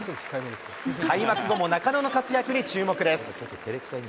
開幕後も中野の活躍に注目です。